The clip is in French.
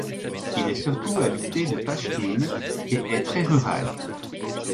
Il est surtout habité de Pachtounes et est très rural.